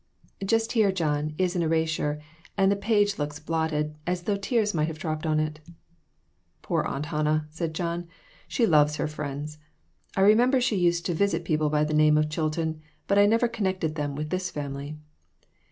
"Just here, John, is an erasure, and the page looks blotted, as though tears might have dropped on it." "Poor Aunt Hannah," said John; "she loves her friends. I remember she used to visit people by the name of Chilton ; but I never connected them with this family."